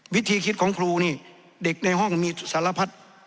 วิธีคิดของครูนี่เด็กในห้องมีสารพัด